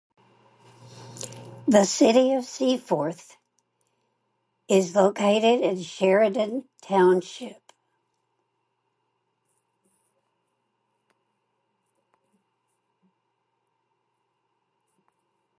The city of Seaforth is located in Sheridan Township.